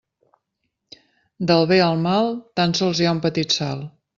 Del bé al mal tan sols hi ha un petit salt.